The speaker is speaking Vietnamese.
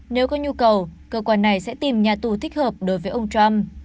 nếu có nhu cầu cơ quan này sẽ tìm nhà tù thích hợp đối với ông trump